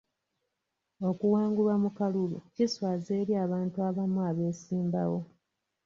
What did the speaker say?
Okuwangulwa mu kalulu kiswaza eri abantu abamu abeesimbawo.